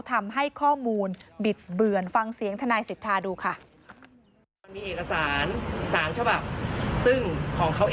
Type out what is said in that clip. ทำให้ข้อมูลบิดเบือนฟังเสียงทนายสิทธาดูค่ะ